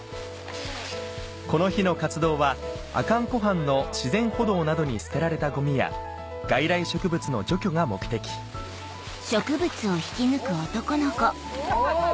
・この日の活動は阿寒湖畔の自然歩道などに捨てられたゴミや外来植物の除去が目的・大きい！